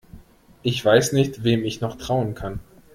Ich weiß nicht, wem ich noch trauen kann.